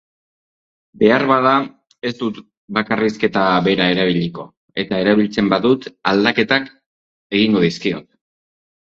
Beharbada, ez dut bakarrizketa bera erabiliko eta erabiltzen badut aldaketak egingo dizkiot.